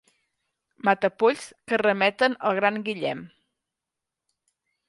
Matapolls que remeten al gran Guillem.